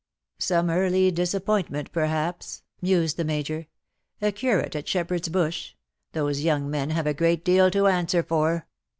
" Some early disappointment, perhaps/"* mused the Major — ^'2. curate at Shepherd^s Bush — those young men have a great deal to answer for.